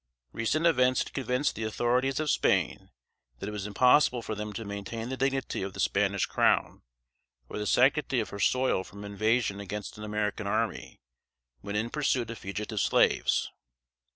Recent events had convinced the authorities of Spain that it was impossible for them to maintain the dignity of the Spanish crown, or the sanctity of her soil from invasion against an American army, when in pursuit of fugitive slaves.